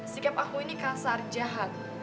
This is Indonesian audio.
sikap aku ini kasar jahat